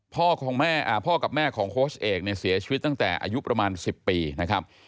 พ่อกับแม่ของโค้ชเอกเนี่ยเสียชีวิตตั้งแต่อายุประมาณ๑๐ปีนะครับ